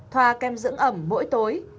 thoa kem dưỡng ẩm mỗi tối